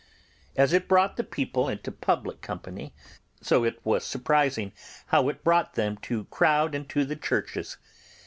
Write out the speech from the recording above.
As it brought the people into public company, so it was surprising how it brought them to crowd into the churches.